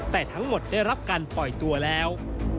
แต่ทั้งหมดได้รับการปล่อยตัวแล้ว